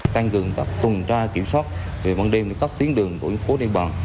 tăng cường tập tuần tra kiểm soát về văn đềm đến các tiến đường của những khu địa bàn